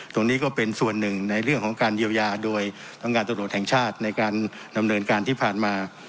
ตรงนี้ก็เป็นส่วนหนึ่งในเรื่องของการเยียวยาโดยทำงานตรวจแห่งชาติในการดำเนินการที่ผ่านมา